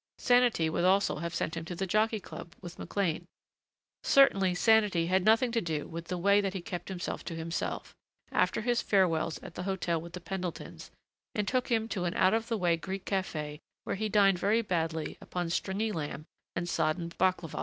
Sanity would also have sent him to the Jockey Club with McLean. Certainly sanity had nothing to do with the way that he kept himself to himself, after his farewells at the hotel with the Pendletons, and took him to an out of the way Greek café where he dined very badly upon stringy lamb and sodden baklava.